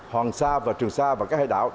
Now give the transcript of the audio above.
hoàng sa và trường sa và các hệ đảo